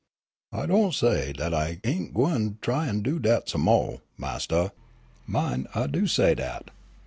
"I do' say dat I ain' gwine try an' do dat some mo', Mastah, min' I do' say dat.